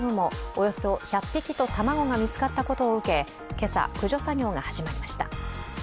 およそ１００匹と卵が見つかったことを受け、今朝、駆除作業が始まりました。